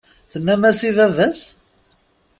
Tennam-as i baba-s?